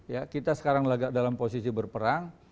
ya kita sekarang lagi dalam posisi berperang